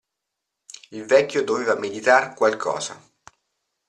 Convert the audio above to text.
Il vecchio doveva meditar qualcosa.